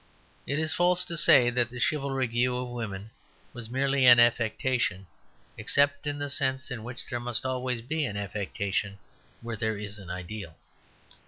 It is false to say that the chivalric view of women was merely an affectation, except in the sense in which there must always be an affectation where there is an ideal.